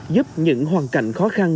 giúp những hoàn cảnh khó khăn